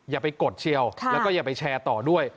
อย่าไปกดเชียวแล้วก็อย่าไปแชร์ต่อด้วย